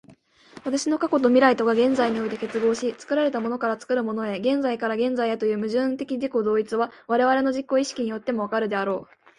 私の過去と未来とが現在において結合し、作られたものから作るものへ、現在から現在へという矛盾的自己同一は、我々の自己意識によっても分かるであろう。